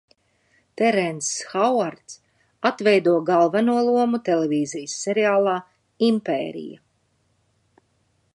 "Terenss Hauards atveido galveno lomu televīzijas seriālā "Impērija"."